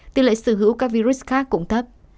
tỷ lệ sử hữu các virus khác cũng thấp